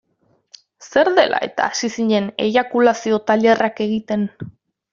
Zer dela-eta hasi zinen eiakulazio-tailerrak egiten?